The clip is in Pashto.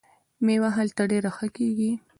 میوه هلته ډیره ښه کیږي.